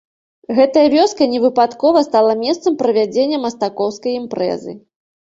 Гэтая вёска невыпадкова стала месцам правядзення мастакоўскай імпрэзы.